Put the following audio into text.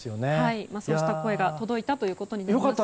そうした声が届いたということです。